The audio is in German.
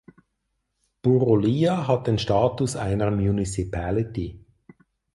Purulia hat den Status einer Municipality.